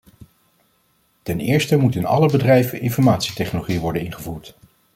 Ten eerste moet in alle bedrijven informatietechnologie worden ingevoerd.